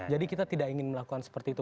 jadi kita tidak ingin melakukan seperti itu